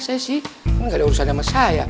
saya sih kan gak ada urusan sama saya